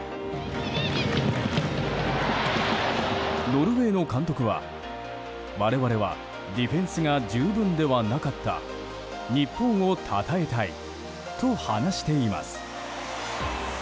ノルウェーの監督は我々はディフェンスが十分ではなかった日本を称えたいと話しています。